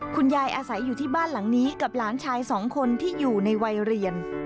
คุณยายอาศัยอยู่ที่บ้านหลังนี้กับหลานชายสองคนที่อยู่ในวัยเรียน